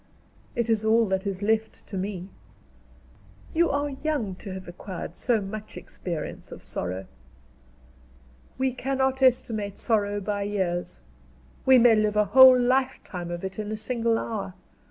"It is all that is left to me." "You are young to have acquired so much experience of sorrow." "We cannot estimate sorrow by years. We may live a whole lifetime of it in a single hour.